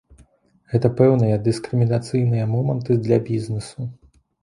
Гэта пэўныя дыскрымінацыйныя моманты для бізнесу.